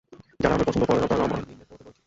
যারা আমায় পছন্দ করে না তারা আমায় নিন্দে করবে বৈকি।